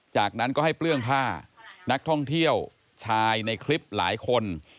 จากนั้นก็ให้เปลื้องผ้านักท่องเที่ยวชายในคลิปหลายคน